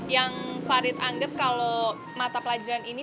yang farid anggap kalau mata pelajaran ini